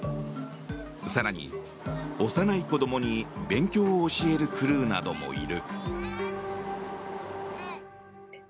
更に、幼い子供に勉強を教えるクルーなどもいる。